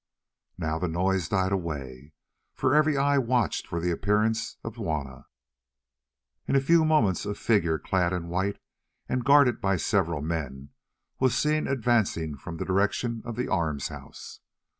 Now the noise died away, for every eye watched for the appearance of Juanna. In a few moments a figure clad in white and guarded by several men was seen advancing from the direction of the arms house.